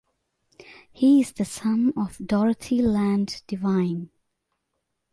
He is the son of Dorothy Land Divine.